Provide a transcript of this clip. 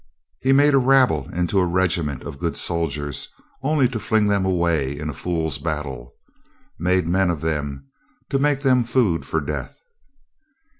He made a rabble into a regiment of good soldiers only to fling them away in a fool's battle; made men of them to make them food for death.